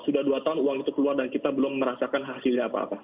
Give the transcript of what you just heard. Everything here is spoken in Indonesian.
sudah dua tahun uang itu keluar dan kita belum merasakan hasilnya apa apa